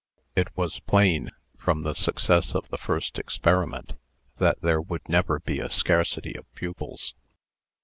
It was plain, from the success of the first experiment, that there would never be a scarcity of pupils.